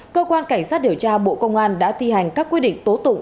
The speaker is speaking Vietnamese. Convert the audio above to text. cơ quan cảnh sát điều tra bộ công an đã thi hành các quy định tố tụng